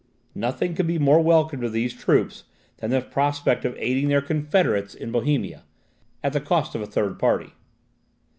Nothing could be more welcome to these troops than the prospect of aiding their confederates in Bohemia, at the cost of a third party.